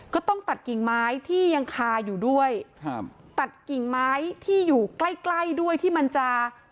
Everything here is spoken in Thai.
ก็ต้องตัดกิ่งไม้ที่ยังคาอยู่ด้วยครับตัดกิ่งไม้ที่อยู่ใกล้ใกล้ด้วยที่มันจะ